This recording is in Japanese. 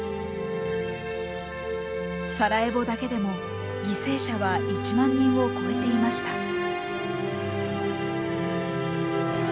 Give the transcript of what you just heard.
サラエボだけでも犠牲者は１万人を超えていました。